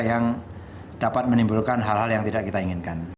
yang dapat menimbulkan hal hal yang tidak kita inginkan